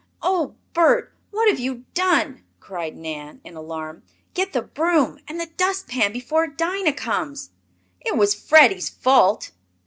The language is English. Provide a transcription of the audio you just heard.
"Oh, Bert! what have you done?" cried Nan, in alarm. "Get the broom and the dust pan, before Dinah comes." "It was Freddie's fault."